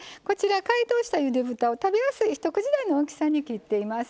解凍したゆで豚を、食べやすい一口大の大きさに切っています。